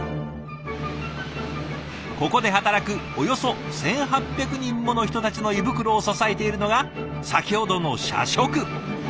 ここで働くおよそ１，８００人もの人たちの胃袋を支えているのが先ほどの社食。